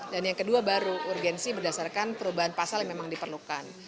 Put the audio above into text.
dan yang kedua baru urgensi berdasarkan perubahan pasal yang memang diperlukan